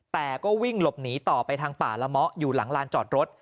แต่ก็วิ่งหลบหนีต่อไปทางป่าละเมาะอยู่หลังลานจอดรถ